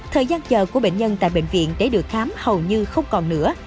thời gian chờ của bệnh nhân tại bệnh viện để được khám hầu như không còn nữa